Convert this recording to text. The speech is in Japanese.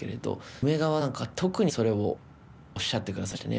梅川なんか特にそれをおっしゃってくださいましてね。